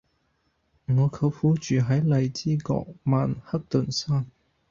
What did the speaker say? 我舅父住喺荔枝角曼克頓山